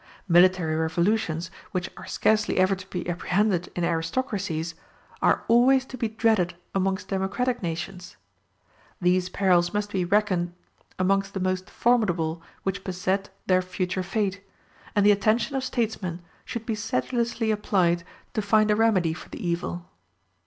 Military revolutions, which are scarcely ever to be apprehended in aristocracies, are always to be dreaded amongst democratic nations. These perils must be reckoned amongst the most formidable which beset their future fate, and the attention of statesmen should be sedulously applied to find a remedy for the evil.